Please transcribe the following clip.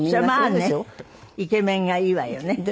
まあねイケメンがいいわよね。